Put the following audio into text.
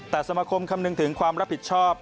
แต่สมาคมคำนึงถึงความรับผิดชอบ